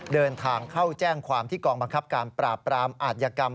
เดินทางเข้าแจ้งความที่กองบังคับการปราบปรามอาธิกรรม